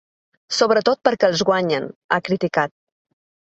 Sobretot perquè els guanyen, ha criticat.